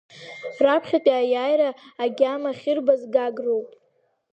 Раԥхьа Аиааира агьама ахьырбаз Гагроуп.